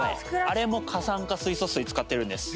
あれも過酸化水素水使ってるんです。